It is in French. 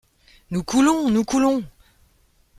Nous coulons ! nous coulons !